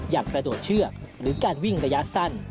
กระโดดเชือกหรือการวิ่งระยะสั้น